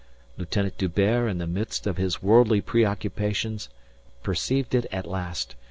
Lieutenant D'Hubert in the midst of his worldly preoccupations perceived it at last.